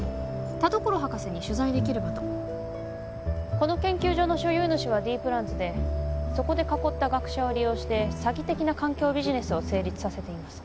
田所博士に取材できればとこの研究所の所有主はＤプランズでそこで囲った学者を利用して詐欺的な環境ビジネスを成立させています